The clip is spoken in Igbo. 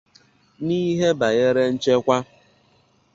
N'ihe banyere nchekwa